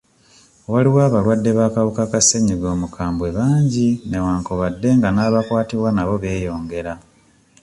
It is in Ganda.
Waliwo abalwadde b'akawuka ka sennyiga omukambwe bangi newankubadde nga n'abakwatibwa nabo beyongera.